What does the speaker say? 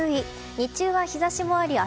日中は日差しもあり汗